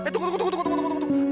tunggu tunggu tunggu